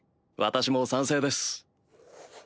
私も賛成です。